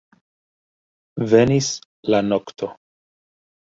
Venis la nokto.